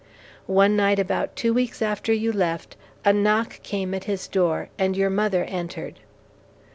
One night, about two weeks after you left, a knock came at his door, and your mother entered.